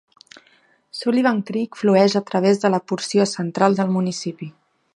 Sullivan Creek flueix a través de la porció central del municipi.